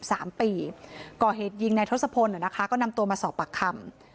จริงคือก่อเหตุยิงนายธศพลก็นำตัวมาสอบปรักคำ